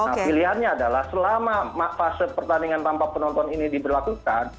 nah pilihannya adalah selama fase pertandingan tanpa penonton ini diberlakukan